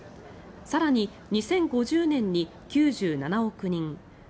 更に、２０５０年に９７億人